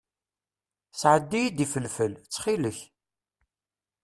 Sɛeddi-iyi-d ifelfel, ttxil-k.